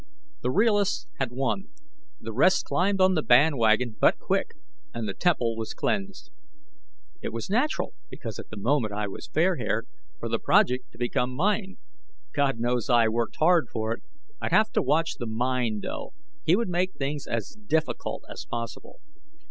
The realists had won; the rest climbed on the bandwagon but quick; and the temple was cleansed. It was natural because at the moment I was fair haired for the project to become mine. God knows, I worked hard for it. I'd have to watch the Mind, though; he would make things as difficult as possible.